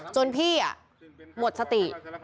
จนพี่อ่ะหมดสติ